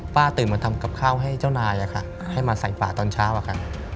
ตื่นมาทำกับข้าวให้เจ้านายอะค่ะให้มาใส่ป่าตอนเช้าอะค่ะ